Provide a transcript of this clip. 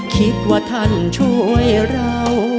คิดว่าท่านช่วยเรา